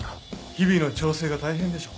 日々の調整が大変でしょ